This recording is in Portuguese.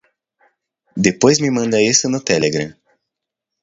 Depois me manda isso no Telegram.